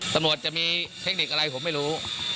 ตำรวจจะมีเทคนิคอะไรผมไม่รู้